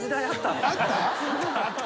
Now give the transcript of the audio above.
あった？